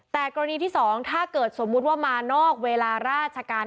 แต่กรณีที่๒ถ้าเกิดสมมุติว่ามานอกเวลาราชการ